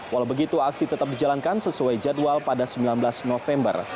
walau begitu aksi tetap dijalankan sesuai jadwal pada sembilan belas november